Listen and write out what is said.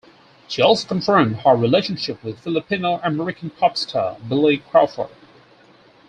She also confirmed her relationship with Filipino-American pop-star Billy Crawford.